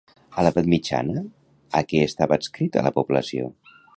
A l'edat mitjana, a què estava adscrita la població?